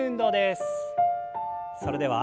それでは。